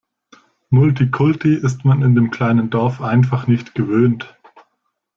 Multikulti ist man in dem kleinen Dorf einfach nicht gewöhnt.